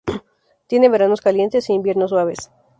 Tiene veranos calientes e inviernos suaves.